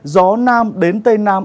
gió nam đến tây nam